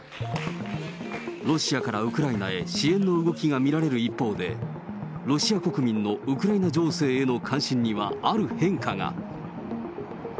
ロシアからウクライナへ支援の動きが見られる一方で、ロシア国民のウクライナ情勢への関心にはある変化が。